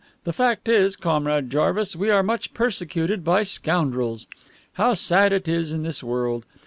The fact is, Comrade Jarvis, we are much persecuted by scoundrels. How sad it is in this world!